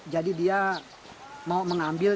jadi dia mau mengambil